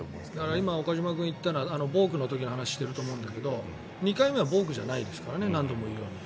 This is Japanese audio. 今、岡島君が言ったのはボークの時のことを言っていると思うんだけど２回目はボークじゃないですから何度も言うように。